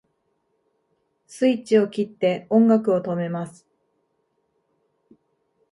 スイッチを切って音楽を止めます